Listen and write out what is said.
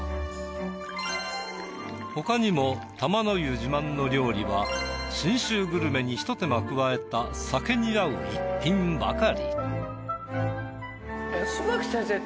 他にも玉の湯自慢の料理は信州グルメに一手間加えた酒に合う逸品ばかり。